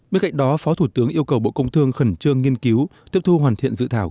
bên cạnh đó phó thủ tướng yêu cầu bộ công thương khẩn trương nghiên cứu tiếp thu hoàn thiện dự thảo